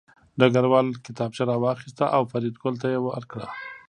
ډګروال کتابچه راواخیسته او فریدګل ته یې ورکړه